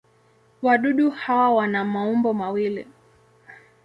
Wadudu hawa wana maumbo mawili.